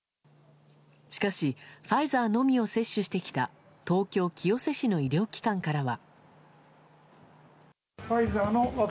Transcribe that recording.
しかしファイザーのみを接種してきた東京・清瀬市の医療機関からは。